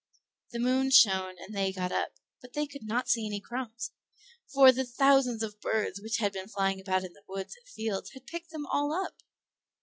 The moon shone and they got up, but they could not see any crumbs, for the thousands of birds which had been flying about in the woods and fields had picked them all up.